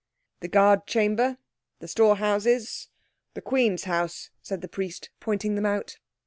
"The guard chamber, the store houses, the queen's house," said the priest, pointing them out.